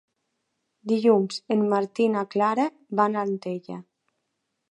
Dilluns en Martí i na Clara van a Antella.